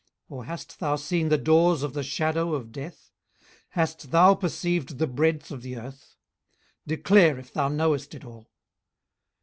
or hast thou seen the doors of the shadow of death? 18:038:018 Hast thou perceived the breadth of the earth? declare if thou knowest it all.